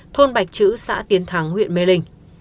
thôn bạch chữ xã tiến thắng huyện mê linh